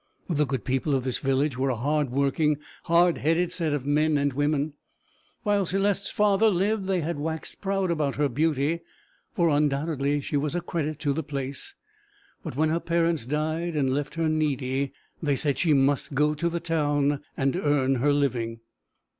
The good people of this village were a hard working, hard headed set of men and women. While Céleste's father lived they had waxed proud about her beauty, for undoubtedly she was a credit to the place; but when her parents died, and left her needy, they said she must go to the town and earn her living.